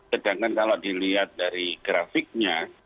sedangkan kalau dilihat dari grafiknya